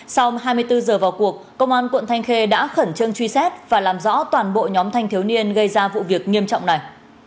sau hai mươi bốn giờ vào cuộc công an quận thanh khê đã khẩn trương truy xét và làm rõ toàn bộ nhóm thanh thiếu niên gây ra vụ việc nghiêm trọng này